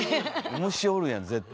虫おるやん絶対。